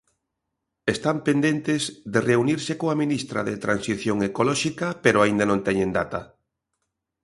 Están pendentes de reunirse coa ministra de Transición Ecolóxica, pero aínda non teñen data.